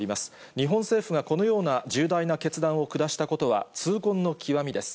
日本政府がこのような重大な決断を下したことは痛恨の極みです。